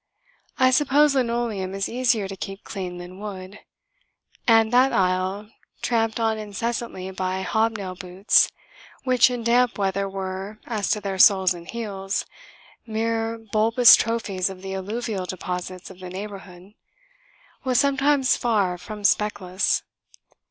I suppose linoleum is easier to keep clean than wood; and that aisle, tramped on incessantly by hobnail boots which in damp weather were, as to their soles and heels, mere bulbous trophies of the alluvial deposits of the neighbourhood, was sometimes far from speckless.